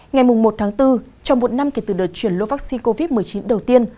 ngày một tháng bốn trong một năm kể từ đợt chuyển lô vaccine covid một mươi chín đầu tiên